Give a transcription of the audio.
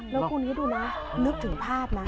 แล้วคุณคิดดูนะนึกถึงภาพนะ